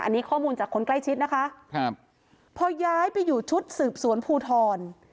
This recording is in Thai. อันนี้ข้อมูลจากคนใกล้ชิดนะคะครับพอย้ายไปอยู่ชุดสืบสวนภูทร